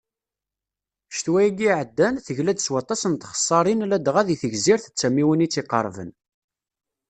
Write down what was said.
Ccetwa-agi iɛeddan, tegla-d s waṭas n txessaṛin ladɣa deg Tegzirt d tamiwin i tt-iqerben.